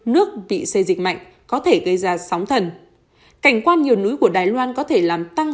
nước bị xây dịch mạnh có thể gây ra sóng thần cảnh quan nhiều núi của đài loan có thể làm tăng